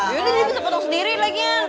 ya udah bisa potong sendiri lagi ya